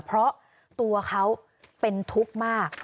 เพราะตัวเขาเป็นทุกข์มาก